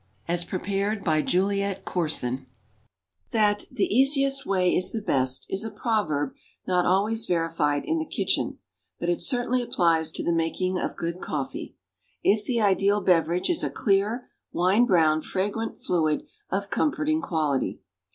As prepared by Juliet Corson. THAT "the easiest way is the best" is a proverb not always verified in the kitchen; but it certainly applies to the making of good coffee, if the ideal beverage is a clear, wine brown, fragrant fluid of comforting quality.